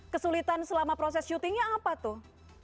kesulitan selama proses syutingnya apa tuh